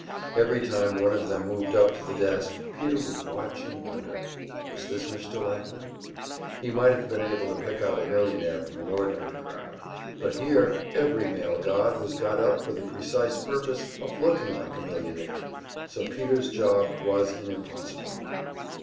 Every time one of them moved up to the desk Peter would watch and wonder, was this Mr. Lackman? He might have been able to pick out a millionaire from an ordinary crowd; but here every male god was got up for the precise purpose of looking like a millionaire, so Peter's job was an impossible one.